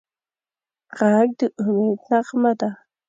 غږ د امید نغمه ده